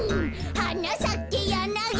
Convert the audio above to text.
「はなさけヤナギ」